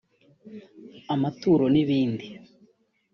amaturo n’ibindi